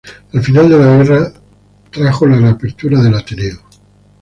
El final de la guerra trajo la reapertura del Ateneo.